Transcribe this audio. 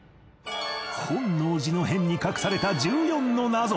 本能寺の変に隠された１４の謎